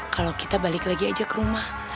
kalau kita balik lagi aja ke rumah